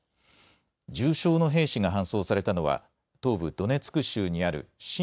重傷の兵士が搬送されたのは東部ドネツク州にある親